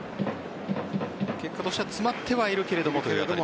結果としては詰まってはいるけれどもというあたり。